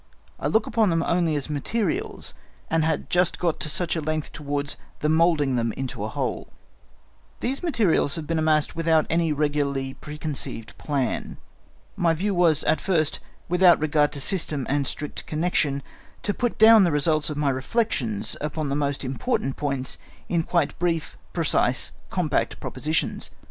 I looked upon them only as materials, and had just got to such a length towards the moulding them into a whole. "These materials have been amassed without any regularly preconceived plan. My view was at first, without regard to system and strict connection, to put down the results of my reflections upon the most important points in quite brief, precise, compact propositions.